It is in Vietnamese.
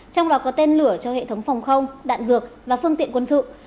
trong đó có tên lửa cho hệ thống phòng không đạn dược và phương tiện quân sự